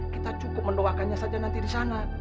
kita cukup mendoakannya saja nanti di sana